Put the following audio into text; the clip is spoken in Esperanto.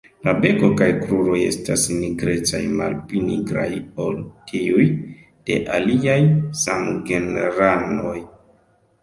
La beko kaj kruroj estas nigrecaj, malpli nigraj ol tiuj de aliaj samgenranoj.